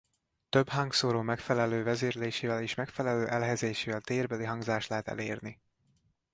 Több hangszóró megfelelő vezérlésével és megfelelő elhelyezésével térbeli hangzást lehet elérni.